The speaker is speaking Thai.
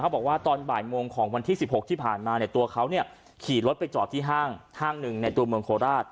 บอกว่าตอนบ่ายโมงของวันที่๑๖ที่ผ่านมาตัวเขาขี่รถไปจอดที่ห้างหนึ่งในตัวเมืองโคราช